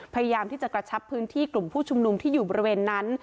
พยายามที่จะกระชับพื้นที่กลุ่มผู้ชุมนุมที่อยู่บริเวณนั้น